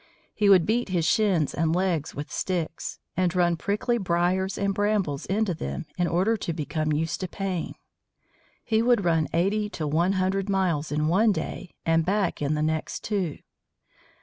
He would beat his shins and legs with sticks, and run prickly briars and brambles into them in order to become used to pain. He would run eighty to one hundred miles in one day and back in the next two.